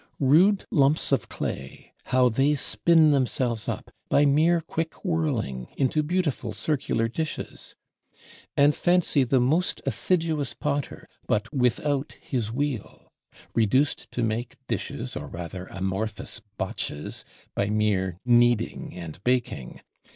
Rude lumps of clay, how they spin themselves up, by mere quick whirling, into beautiful circular dishes. And fancy the most assiduous Potter, but without his wheel; reduced to make dishes, or rather amorphous botches, by mere kneading and baking!